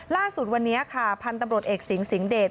ล่าสุดวันนี้ค่ะพันธุ์ตำรวจเอกสิงสิงหเดช